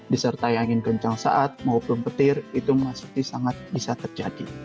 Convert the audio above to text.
disertai angin kencang saat maupun petir itu masih sangat bisa terjadi